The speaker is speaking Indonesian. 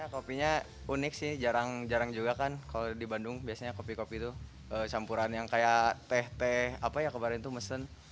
kopinya unik sih jarang jarang juga kan kalau di bandung biasanya kopi kopi itu campuran yang kayak teh teh apa ya kemarin itu mesen